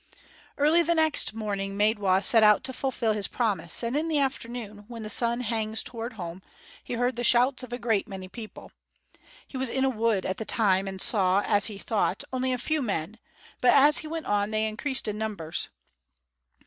Early the next morning, Maidwa set out to fulfil his promise; and in the afternoon, when the sun hangs toward home, he heard the shouts of a great many people. He was in a wood at the time, and saw, as he thought, only a few men, but as he went on they increased in numbers.